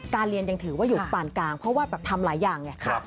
เรียนยังถือว่าอยู่ปานกลางเพราะว่าแบบทำหลายอย่างไง